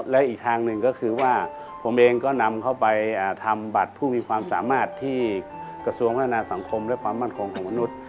และอีกทางหนึ่งก็คือว่าผมเองก็นำเข้าไปทำบัตรผู้มีความสามารถที่กระทรวงพัฒนาสังคมและความมั่นคงของมนุษย์